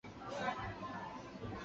安徽南陵人。